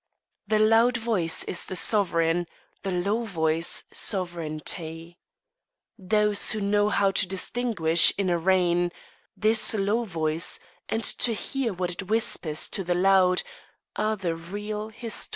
The loud voice is the sovereign; the low voice, sovereignty. Those who know how to distinguish, in a reign, this low voice, and to hear what it whispers to the loud, are the real historians.